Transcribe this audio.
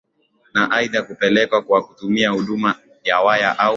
Na aidha kupelekwa kwa kutumia huduma ya waya au